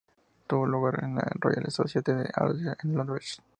Tuvo lugar en la Royal Society of Arts en Londres.